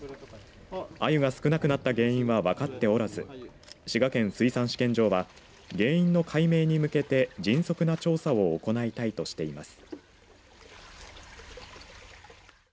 あゆが少なくなった原因は分かっておらず滋賀県水産試験場は原因の解明に向けて迅速な調査を行いたいとしています。